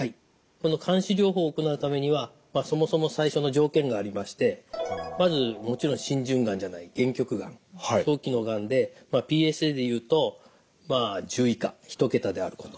この監視療法を行うためにはそもそも最初の条件がありましてまずもちろん浸潤がんじゃない限局がん早期のがんでＰＳＡでいうとまあ１０以下１桁であること。